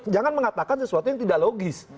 jangan mengatakan sesuatu yang tidak logis